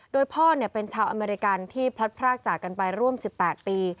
โดยพ่อเป็นชาวอเมริกันที่พลัดพรากจากกันไปร่วม๑๘ปี